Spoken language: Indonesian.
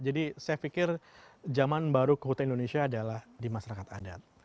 jadi saya pikir zaman baru kehutupan indonesia adalah di masyarakat adat